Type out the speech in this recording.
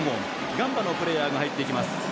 ガンバのプレーヤーが入ってきます。